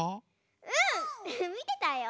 みてたよ。